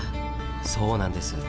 そうなんです。